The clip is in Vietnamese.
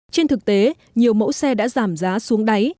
trên thực tế nhiều mẫu xe đã giảm giá xuống đáy